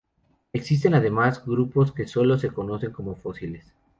Existen además grupos que sólo se conocen como fósiles.